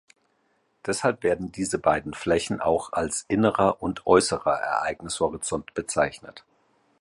Deshalb werden diese beiden Flächen auch als innerer und äußerer Ereignishorizont bezeichnet.